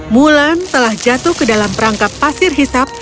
mulan telah jatuh ke dalam perangkap pasir hisap